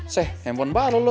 seh handphone baru lo